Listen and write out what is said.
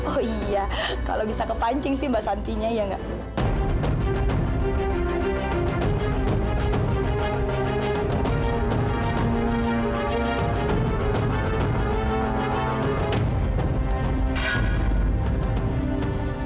oh iya kalau bisa kepancing sih mbak santinya ya enggak